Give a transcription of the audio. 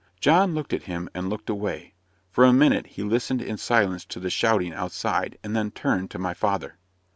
John looked at him, and looked away. For a minute he listened in silence to the shouting outside, and then turned to my father.